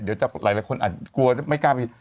เดี๋ยวหลายคนอาจกลัวจะไม่กล้าไป